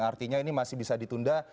artinya ini masih bisa ditunda